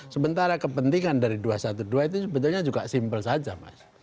sementara kepentingan dari dua ratus dua belas itu sebetulnya juga simpel saja mas